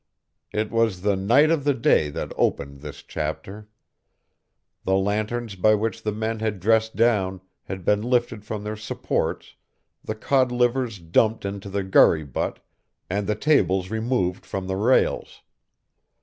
It was the night of the day that opened this chapter. The lanterns by which the men had dressed down had been lifted from their supports, the cod livers dumped into the gurry butt, and the tables removed from the rails.